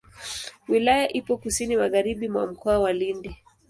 Wilaya ipo kusini magharibi mwa Mkoa wa Lindi.